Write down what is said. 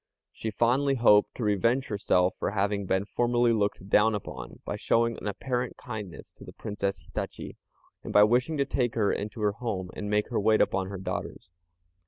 She fondly hoped to revenge herself for having been formerly looked down upon, by showing an apparent kindness to the Princess Hitachi, and by wishing to take her into her home, and make her wait upon her daughters.